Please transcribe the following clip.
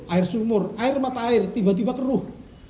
air sumur air mata air tiba tiba keruh